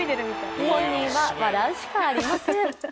本人は笑うしかありません。